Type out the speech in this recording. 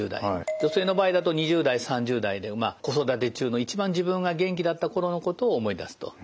女性の場合だと２０代３０代で子育て中の一番自分が元気だった頃のことを思い出すと。